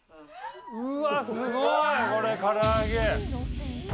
うわー、すごい、これ、から揚げ。